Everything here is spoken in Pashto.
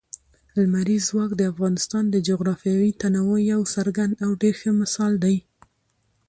لمریز ځواک د افغانستان د جغرافیوي تنوع یو څرګند او ډېر ښه مثال دی.